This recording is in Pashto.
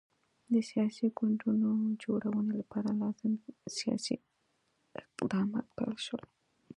د سیاسي ګوندونو جوړونې لپاره لازم سیاسي اقدامات پیل شول.